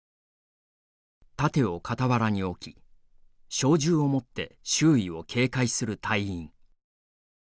盾を傍らに置き小銃を持って周囲を警戒する隊員。